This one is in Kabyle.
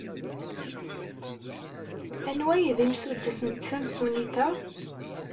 Anwa ay d imsuddes n tsamfunit-a?